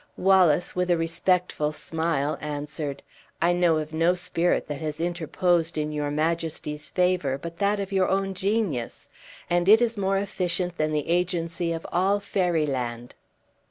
Wallace, with a respectful smile, answered, "I know of now spirit that has interposed in your majesty's favor but that of your own genius; and it is more efficient than the agency of all fairy land."